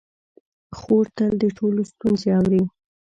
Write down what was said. خور تل د ټولو ستونزې اوري.